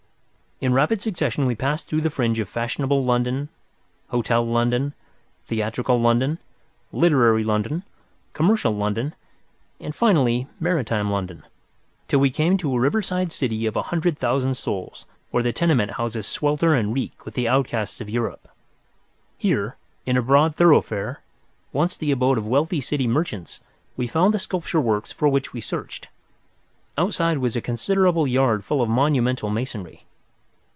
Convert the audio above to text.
In rapid succession we passed through the fringe of fashionable London, hotel London, theatrical London, literary London, commercial London, and, finally, maritime London, till we came to a riverside city of a hundred thousand souls, where the tenement houses swelter and reek with the outcasts of Europe. Here, in a broad thoroughfare, once the abode of wealthy City merchants, we found the sculpture works for which we searched. Outside was a considerable yard full of monumental masonry.